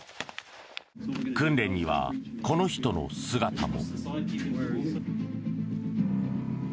訓練にはこの人の姿も。